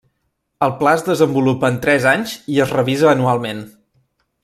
El Pla es desenvolupa en tres anys i es revisa anualment.